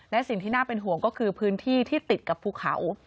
และสิ่งที่น่าเป็นห่วงก็คือพื้นที่ที่ติดกับภูเขา